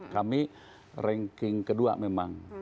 kami ranking kedua memang